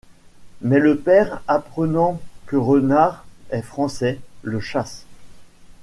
Mais le père, apprenant que Renard est Français, le chasse.